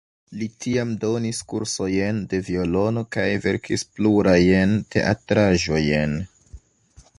Li tiam donis kursojn de violono kaj verkis plurajn teatraĵojn.